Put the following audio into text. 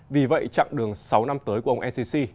vì vậy chặng đường sáu năm tới của ông ncc